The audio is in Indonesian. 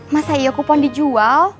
masa iya kupon dijual